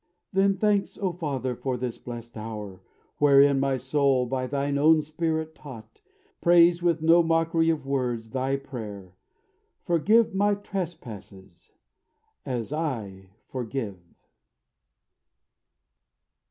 Then thanks, O Father, for this plessed hour, Wherein my soul, by Thine own Spirit taught, Prays with no mockery of words Thy prayer: "Forgive my trespasses, as I forgive."